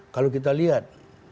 kalau kita lihat